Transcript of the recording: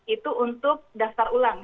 itu untuk daftar ulang